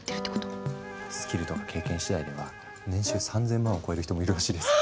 スキルとか経験次第では年収３，０００万を超える人もいるらしいです。